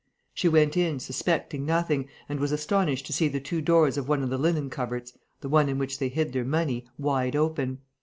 She went in, suspecting nothing, and was astonished to see the two doors of one of the linen cupboards, the one in which they hid their money, wide open.